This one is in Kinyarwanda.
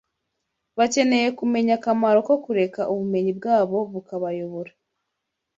Bakeneye kumenya akamaro ko kureka ubumenyi bwabo bukabayobora.